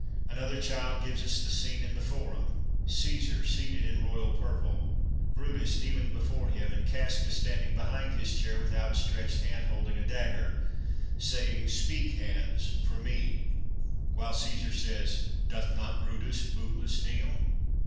Another child gives us the scene in the forum, Caesar seated in royal purple, Brutus kneeling before him, and Casca standing behind his chair with out stretched hand holding a dagger, saying "Speak, 294 HOME EDUCATION hands, for me," while Caesar says, " Doth not Brutus bootless kneel